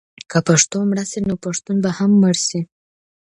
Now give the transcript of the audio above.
که پښتو مړه شي نو پښتون به هم مړ شي.